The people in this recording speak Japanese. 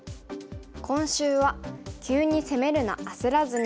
今週は「急に攻めるなあせらずに！」。